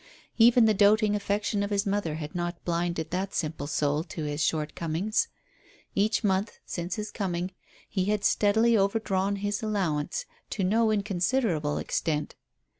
Even the doting affection of his mother had not blinded that simple soul to his shortcomings. Each month since his coming he had steadily overdrawn his allowance to no inconsiderable extent.